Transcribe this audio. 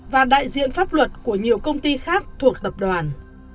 và đại diện pháp luật của nhiều công ty khác thuộc tập đoàn